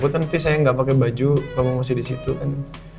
aku nanti saya gak pakai baju kalau mau masih di situ kan